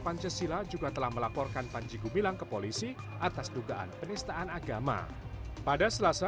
pancasila juga telah melaporkan panji gumilang ke polisi atas dugaan penistaan agama pada selasa